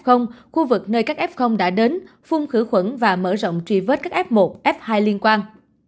khu vực nơi các f đã đến phun khử khuẩn và mở rộng truy vết các f một f hai liên quan